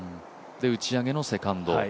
打ち上げのセカンド。